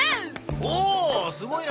おおすごいな！